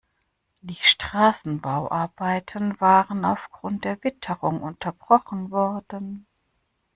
Die Straßenbauarbeiten waren aufgrund der Witterung unterbrochen worden.